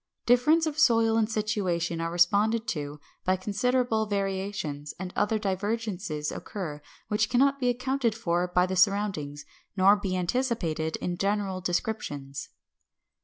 Difference of soil and situation are responded to by considerable variations, and other divergences occur which cannot be accounted for by the surroundings, nor be anticipated in general descriptions.